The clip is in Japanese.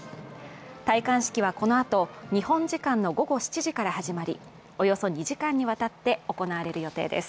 戴冠式は、このあと日本時間の午後７時から始まりおよそ２時間にわたって行われる予定です。